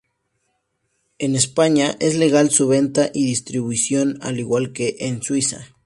En España es legal su venta y distribución, al igual que en Suiza.